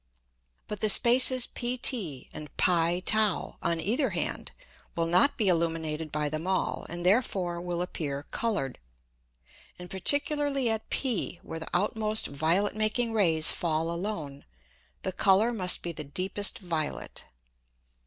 But the Spaces PT and [Greek: pt] on either hand, will not be illuminated by them all, and therefore will appear coloured. And particularly at P, where the outmost violet making Rays fall alone, the Colour must be the deepest violet.